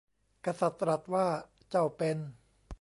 กษัตริย์ตรัสว่า เจ้าเป็น